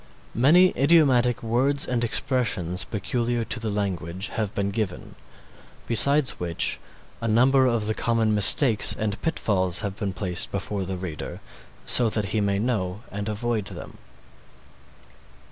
Many idiomatic words and expressions, peculiar to the language, have been given, besides which a number of the common mistakes and pitfalls have been placed before the reader so that he may know and avoid them.